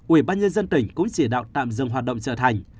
ubnd tỉnh cũng chỉ đạo tạm dừng hoạt động chợ thành